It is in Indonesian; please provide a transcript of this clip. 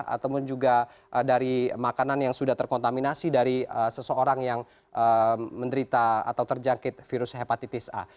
ataupun juga dari makanan yang sudah terkontaminasi dari seseorang yang menderita atau terjangkit virus hepatitis a